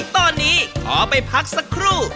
ตอนนี้ขอไปพักสักครู่